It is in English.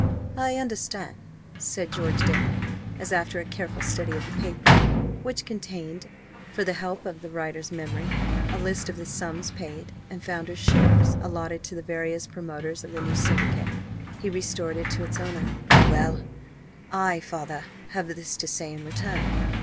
"I understand," said George Denny, as, after a careful study of the paper which contained, for the help of the writer's memory, a list of the sums paid and founders' shares allotted to the various "promoters" of the new Syndicate he restored it to its owner. "Well, I, father, have this to say in return.